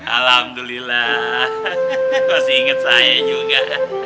alhamdulillah masih inget saya juga